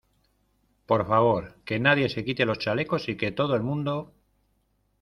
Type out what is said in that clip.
por favor, que nadie se quite los chalecos y que todo el mundo